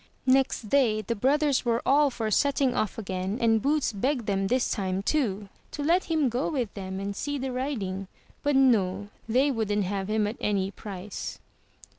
'* Next day the brothers were all for setting off again, and Boots begged them this time, too, to let him go with them and see the riding; but no, they wouldn't have him at any price.